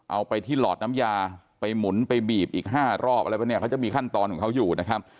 เอาไปที่หลอดน้ำยาไปหมุนไปบีบอีก๕รอบอะไรป่ะเนี่ยเขาจะมีขั้นตอนของเขาอยู่นะครับ